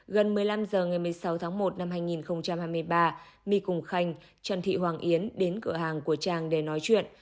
gần một mươi năm h ngày một mươi sáu tháng một năm hai nghìn hai mươi ba my cùng khanh trần thị hoàng yến đến cửa hàng của trang để nói chuyện